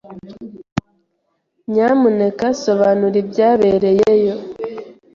Nyamuneka sobanura ibyabereyeyo.